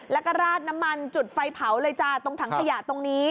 แล้วก็ราดน้ำมันจุดไฟเผาเลยจ้ะตรงถังขยะตรงนี้